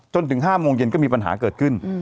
จนถึง๕โมงเย็นก็มีปัญหาเกิดขึ้น